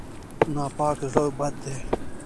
ناپاک زړه بد دی.